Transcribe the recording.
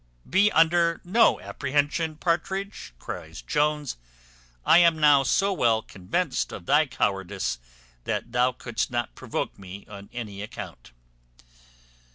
"Be under no apprehension, Partridge," cries Jones; "I am now so well convinced of thy cowardice, that thou couldst not provoke me on any account."